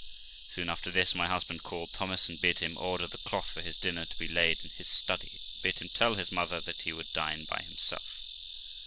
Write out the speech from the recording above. Soon after this, my husband called Thomas, and bid him order the cloth for his dinner to be laid in his study, and bid him tell his mother that he would dine by himself.